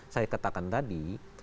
saya katakan tadi